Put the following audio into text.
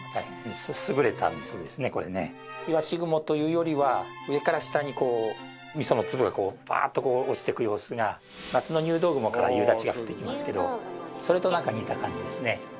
いわし雲というよりは上から下にこうみその粒がこうバーッとこう落ちてく様子が夏の入道雲から夕立が降ってきますけどそれと何か似た感じですね。